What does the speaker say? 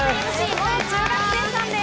もう中学生さんです。